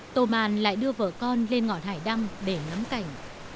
tô màn lại đưa vợ con lên ngọn hải đăng để ngắm cảnh